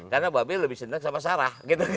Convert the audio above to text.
karena mbak be lebih senang sama sarah